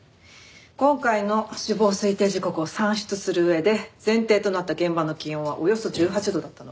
今回の死亡推定時刻を算出する上で前提となった現場の気温はおよそ１８度だったの。